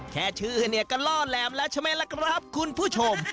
แค่ชื่อเนี่ยก็ล่อแหลมแล้วใช่ไหมล่ะครับคุณผู้ชม